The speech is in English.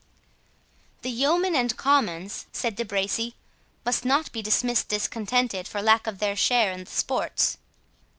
"The yeomen and commons," said De Bracy, "must not be dismissed discontented, for lack of their share in the sports."